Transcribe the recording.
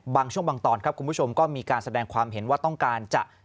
บางช่วงบางตอนครับคุณผู้ชมก็มีการแสดงความเห็นว่าต้องการจะ